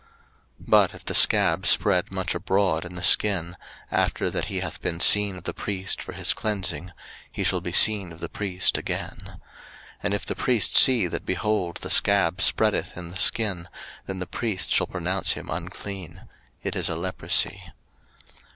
03:013:007 But if the scab spread much abroad in the skin, after that he hath been seen of the priest for his cleansing, he shall be seen of the priest again. 03:013:008 And if the priest see that, behold, the scab spreadeth in the skin, then the priest shall pronounce him unclean: it is a leprosy.